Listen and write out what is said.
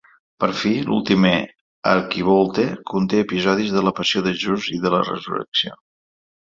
Per fi, l'última arquivolta conté episodis de la Passió de Jesús i de la Resurrecció.